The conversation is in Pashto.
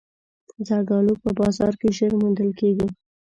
زردالو په بازار کې ژر موندل کېږي.